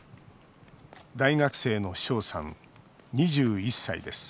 大学生の翔さん、２１歳です